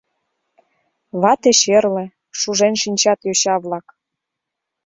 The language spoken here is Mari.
Вате черле, шужен шинчат йоча-влак;